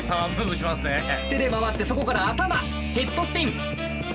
手で回ってそこから頭ヘッドスピン。